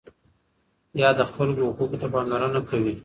يا د خلکو حقوقو ته پاملرنه کوي،